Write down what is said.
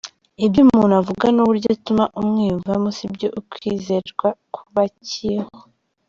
Ibyo umuntu avuga n’uburyo atuma umwiyumvamo sibyo ukwizerwa kubakiyeho.